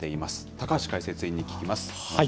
高橋解説委員に聞きます。